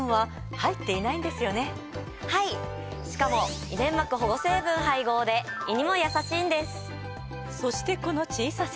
はいしかも胃粘膜保護成分配合で胃にもやさしいんです。